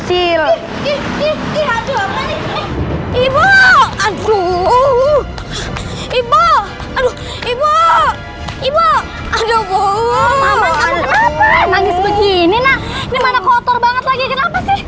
sepuluh sini kau bisa dua puluh banyak banyak amat ya ampun ya udah kalau nggak mau sih apa